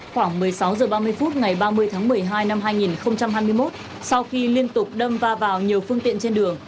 khoảng một mươi sáu h ba mươi phút ngày ba mươi tháng một mươi hai năm hai nghìn hai mươi một sau khi liên tục đâm va vào nhiều phương tiện trên đường